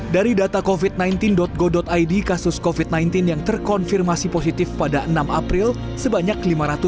dari data covid sembilan belas go id kasus covid sembilan belas yang terkonfirmasi positif pada enam april sebanyak lima ratus